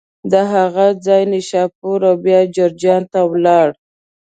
له هغه ځایه نشاپور او بیا جرجان ته ولاړ.